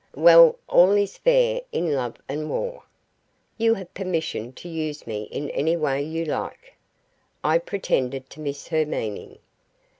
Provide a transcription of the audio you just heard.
Well, all is fair in love and war. You have permission to use me in any way you like." I pretended to miss her meaning.